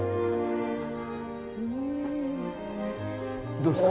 どうですか？